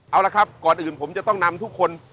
เอาละครับก่อนอื่นผมจะต้องนำทุกคน